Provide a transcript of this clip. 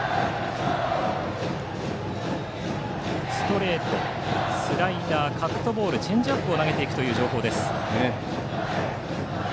ストレート、スライダーカットボールチェンジアップを投げるという情報です、山下。